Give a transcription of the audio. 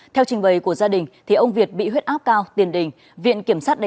theo trình bày của gia đình ông việt bị huyết áp cao tiền đình